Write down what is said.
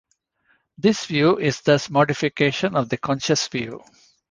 This view is thus a modification of the consensus view.